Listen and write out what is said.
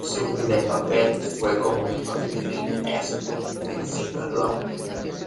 Su primer papel fue como hijo de Clint Eastwood en "Sin Perdón".